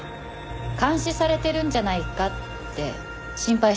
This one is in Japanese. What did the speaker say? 監視されてるんじゃないかって心配してる人もいます。